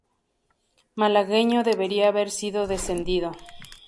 Malagueño" debería haber sido descendido.